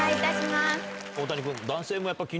大谷君。